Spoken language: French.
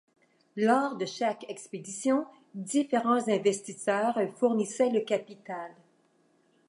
Lors de chaque expédition, différents investisseurs fournissaient le capital.